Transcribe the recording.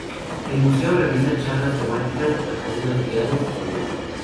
El museo realiza charlas temáticas, recorridos guiados y talleres.